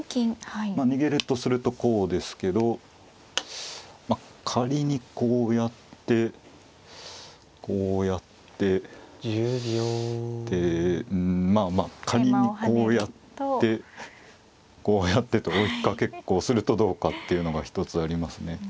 逃げるとするとこうですけど仮にこうやってこうやってでうんまあまあ仮にこうやってこうやってと追いかけっこをするとどうかっていうのが一つありますね。